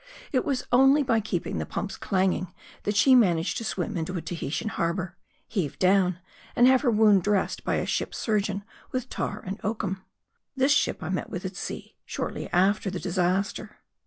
And it was only by keeping the pumps clanging, that she managed to swim into a Tahitian harbor, " heave down," and have her wound dressed by a ship sur geon with tar and oakum. This ship I met with at sea, shortly after the disaster.